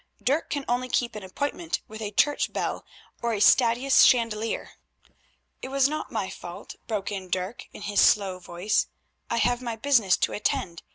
"Dirk can only keep an appointment with a church bell or a stadhuis chandelier." "It was not my fault," broke in Dirk in his slow voice; "I have my business to attend.